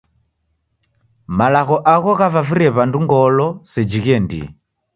Malagho agho ghavavivirie w'andu ngolo seji ghiendie.